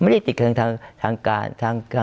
ไม่ได้ติดกันทางการกินนะครับ